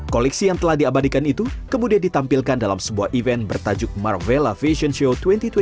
koleksi yang telah diabadikan itu kemudian ditampilkan dalam sebuah event bertajuk marvella fashion show dua ribu dua puluh